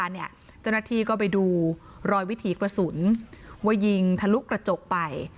เจ้าหน้าที่ก็ไปดูรอยวิถีกระสุนว่ายิงทะลุกระจกไป